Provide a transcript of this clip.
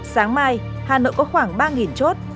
sáng mai hà nội có khoảng ba chốt